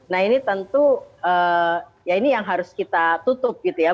nah ini tentu ya ini yang harus kita tutup gitu ya